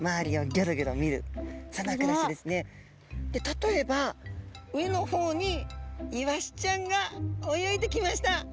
例えば上の方にイワシちゃんが泳いできました。